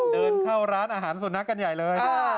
เดินเข้าร้านอาหารสุนัขกันใหญ่เลย